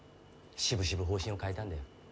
しぶしぶ方針を変えたんだよ。